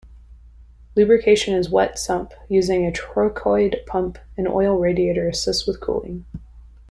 Lubrication is wet sump using a trochoid pump; an oil radiator assists with cooling.